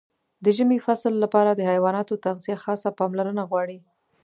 د ژمي فصل لپاره د حیواناتو تغذیه خاصه پاملرنه غواړي.